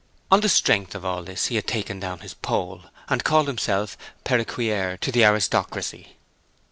On the strength of all this he had taken down his pole, and called himself "Perruquier to the aristocracy."